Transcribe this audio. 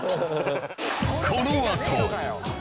このあと